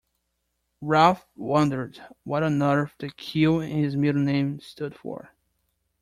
Ralph wondered what on earth the Q in his middle name stood for.